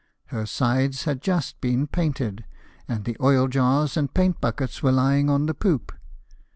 Her sides had just been painted, and the oil jars and paint buckets were lying on the poop.